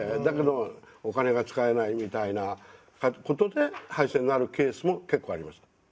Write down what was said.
だけどお金が使えないみたいなことで廃線があるケースも結構ありました。